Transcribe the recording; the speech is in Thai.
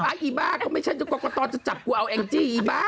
อีบ้าก็ไม่ใช่กรกตจะจับกูเอาแองจี้อีบ้า